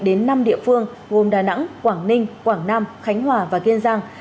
đến năm địa phương gồm đà nẵng quảng ninh quảng nam khánh hòa và kiên giang